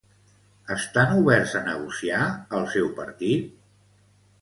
Estan oberts a negociar al seu partit?